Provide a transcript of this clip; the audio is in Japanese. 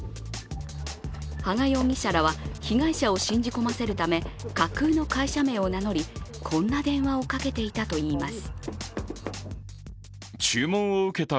羽賀容疑者らは被害者を信じ込ませるため架空の会社名を名乗りこんな電話をかけていたといいます。